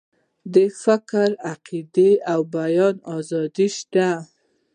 د فکر، عقیدې او بیان آزادي شته.